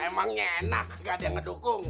emangnya enak gak ada yang ngedukung